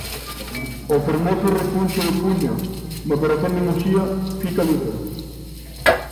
O fermoso recuncho de Cuño, no corazón de Muxía, fica libre.